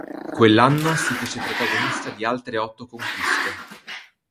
Quell'anno, si fece protagonista di altre otto conquiste.